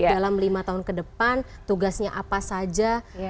dalam lima tahun kedepan tugasnya apa saja